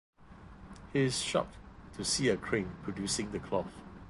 He is shocked to see a crane producing the cloth.